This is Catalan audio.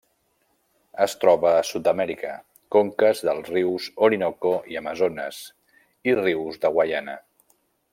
Es troba a Sud-amèrica: conques dels rius Orinoco i Amazones, i rius de Guaiana.